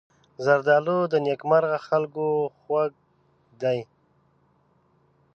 زردالو د نېکمرغه خلکو خوږ دی.